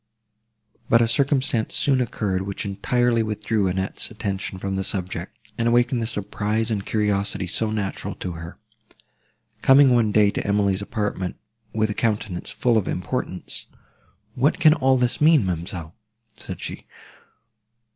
But a circumstance soon occurred, which entirely withdrew Annette's attention from this subject, and awakened the surprise and curiosity so natural to her. Coming one day to Emily's apartment, with a countenance full of importance, "What can all this mean, ma'amselle?" said she.